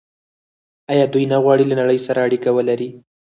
آیا دوی نه غواړي له نړۍ سره اړیکه ولري؟